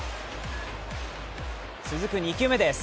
続く２球目です。